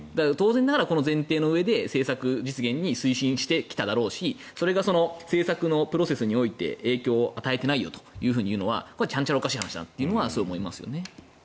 この前提のうえで政策実現に推進してきただろうしそれが政策のプロセスにおいて影響を与えていないよというのはちゃんちゃらおかしい話だと思いますね。